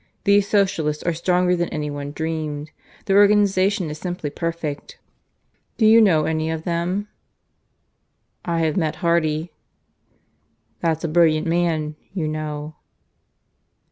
These Socialists are stronger than any one dreamed. Their organization is simply perfect. Do you know any of them?" "I have met Hardy." "That's a brilliant man, you know."